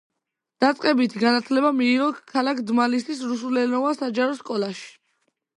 დაწყებითი განათლება მიიღო ქალაქ დმანისის რუსულენოვან საჯარო სკოლაში.